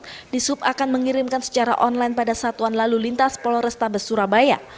dinas perhubungan kota surabaya akan mengirimkan secara online pada satuan lalu lintas polrestabes surabaya